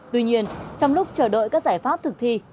tuy nhiên trong lúc chờ đợi các giải pháp thực thi